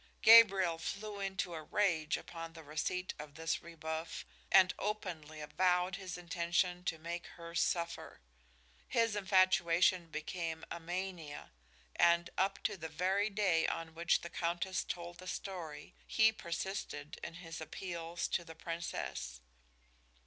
Gabriel flew into a rage upon the receipt of this rebuff, and openly avowed his intention to make her suffer. His infatuation became a mania, and, up to the very day on which the Countess told the story, he persisted in his appeals to the Princess.